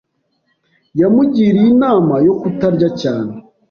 Yamugiriye inama yo kutarya cyane.